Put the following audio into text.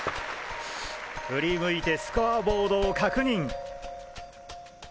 振り向いてスコアボードを確認。